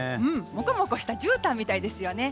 もこもこしたじゅうたんみたいですよね。